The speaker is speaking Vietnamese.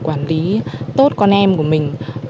quản lý tốt con em của mình